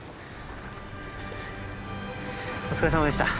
お疲れさまでした。